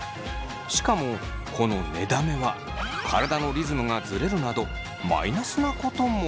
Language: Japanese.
しかもこの寝だめは体のリズムがズレるなどマイナスなことも。